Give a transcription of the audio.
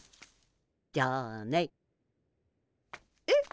じゃあね。え？